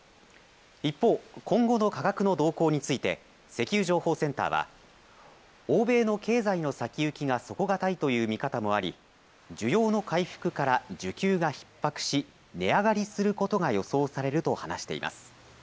一方、今後の価格の動向について石油情報センターは欧米の経済の先行きが底堅いという見方もあり需要の回復から需給がひっ迫し値上がりすることが予想されると話しています。